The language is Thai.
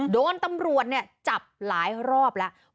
โดนตำรวจจับหลายรอบแล้ว